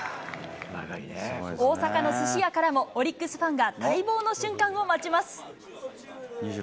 大阪のすし屋からも、オリックスファンが待望の瞬間を待ちます。